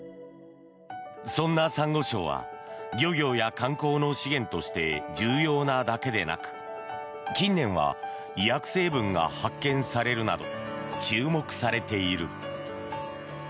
そんなサンゴ礁は漁業や観光の資源として重要なだけでなく近年は医薬成分が発見されるなど注目されている。